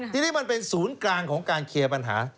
ทีนี้มันเป็นศูนย์กลางของการเคลียร์ปัญหา